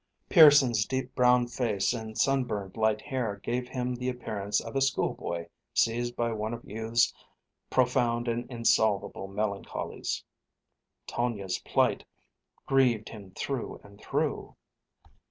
Pearson's deep brown face and sunburned light hair gave him the appearance of a schoolboy seized by one of youth's profound and insolvable melancholies. Tonia's plight grieved him through and through.